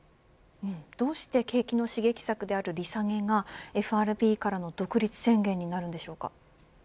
どうして景気の刺激策である利下げがＦＲＢからの独立宣言になるのでしょうか。